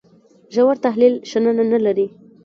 ژور تحلیل شننه نه لري.